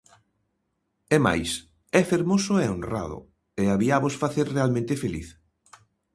E mais é fermoso e honrado, e habíavos facer realmente feliz.